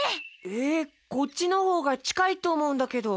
えっこっちのほうがちかいとおもうんだけど。